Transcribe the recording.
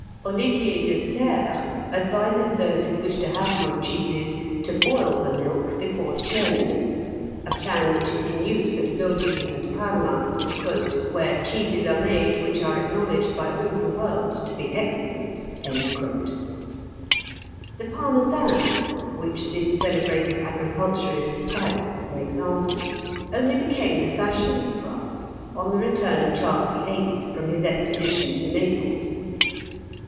Olivier de Serres advises those who wish to have good cheeses to boil the milk before churning it, a plan which is in use at Lodi and Parma, "where cheeses are made which are acknowledged by all the world to be excellent." The parmesan, which this celebrated agriculturist cites as an example, only became the fashion in France on the return of Charles VIII. from his expedition to Naples.